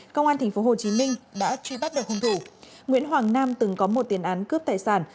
công an tp hcm đã truy bắt được hung thủ nguyễn hoàng nam từng có một tiền án cướp tài sản